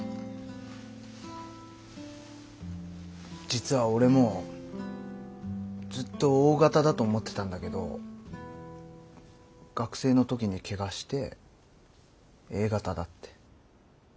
実は俺もずっとＯ型だと思ってたんだけど学生の時に怪我してＡ型だって。